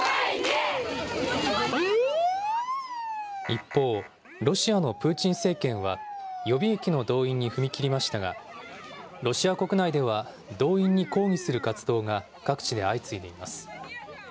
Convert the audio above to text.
一方、ロシアのプーチン政権は、予備役の動員に踏み切りましたが、ロシア国内では動員に抗議する活動が各地で相次いでいます。